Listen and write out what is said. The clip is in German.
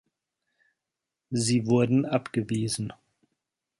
Sie wurden abgewiesen.